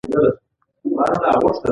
افغانستان په پابندی غرونه باندې تکیه لري.